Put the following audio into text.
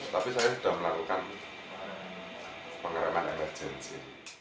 tapi saya sudah melakukan pengereman emergensi